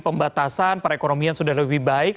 pembatasan perekonomian sudah lebih baik